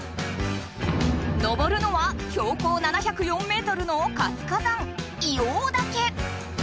登るのは標高７０４メートルの活火山硫黄岳。